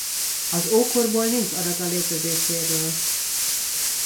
Az ókorból nincs adat a létezéséről.